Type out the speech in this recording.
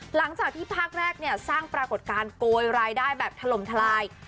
หลังจากที่ภาคแรกเนี่ยสร้างปรากฏการณ์โกยรายได้แบบถล่มทลาย